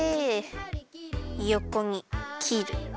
よこにきる。